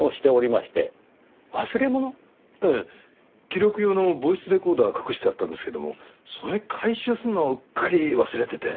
記録用のボイスレコーダー隠してあったんですけどもそれ回収するのをうっかり忘れてて。